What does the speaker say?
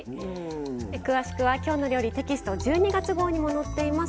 詳しくは「きょうの料理」テキスト１２月号にも載っています。